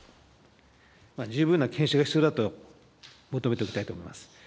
十分な検証が必要だと求めておきたいと思います。